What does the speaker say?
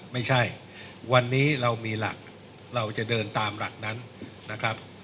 ไม่ใช่วันนี้เรามีหลักเราจะเดินตามหลักนั้นนะครับ